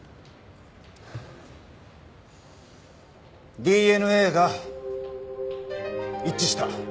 ＤＮＡが一致した。